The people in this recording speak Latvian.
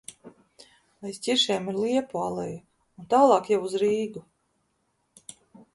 Aiz ķiršiem ir liepu aleja un tālāk jau uz Rīgu.